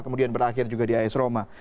kemudian berakhir juga di as roma